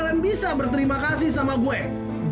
n monumental dia lah